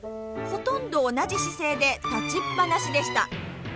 ほとんど同じ姿勢で立ちっぱなしでした。